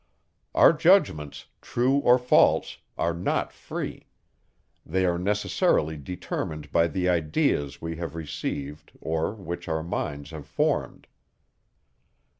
Our judgments, true or false, are not free; they are necessarily determined by the ideas, we have received, or which our minds have formed.